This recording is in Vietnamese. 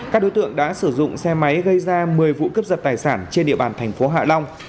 các đối tượng đã sử dụng xe máy gây ra một mươi vụ cướp giật tài sản trên địa bàn thành phố hạ long